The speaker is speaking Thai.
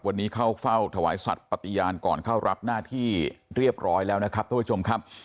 วันนี้เข้าเฝ้าถวายสัตว์ปฏิญาณก่อนเข้ารับหน้าที่เรียบร้อยแล้วนะครับท่านผู้ชมครับ